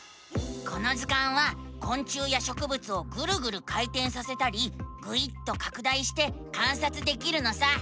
この図鑑はこん虫やしょくぶつをぐるぐる回てんさせたりぐいっとかく大して観察できるのさ！